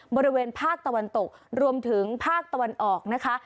บริเวณภาคตะวันตกรวมถึงภาคตะวันออกนะคะ